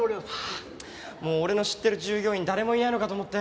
ああもう俺の知ってる従業員誰もいないのかと思ったよ。